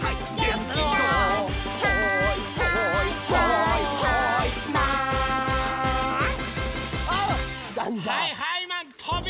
「はいはいはいはいマン」あっ！